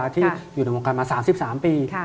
ที่อยู่ในวงการมา๓๓ปี